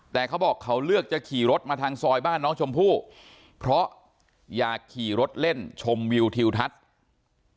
แต่เขาบอกเขาเลือกจะขี่รถมาทางซอยบ้านน้องชมพู่เพราะอยากขี่รถเล่นชมวิวทิวทัศน์